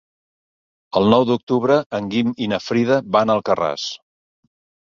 El nou d'octubre en Guim i na Frida van a Alcarràs.